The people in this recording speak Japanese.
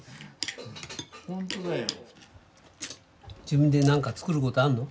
自分で何か作ることあるの？